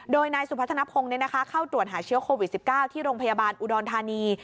โดยนายสุพัฒนภงเข้าตรวจหาเชื้อโควิด๑๙ที่โรงพยาบาลอุดรธานี